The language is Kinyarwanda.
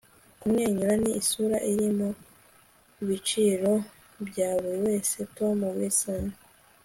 kumwenyura ni isura iri mu biciro bya buri wese! - tom wilson